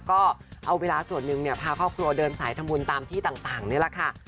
ก็เอาเวลาส่วนหนึ่งพาครอบครัวเดินสายทำบุญตามที่ต่างนี่แหละค่ะ